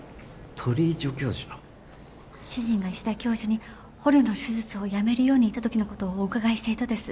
主人が石田教授に捕虜の手術をやめるように言った時のことをお伺いしたいとです。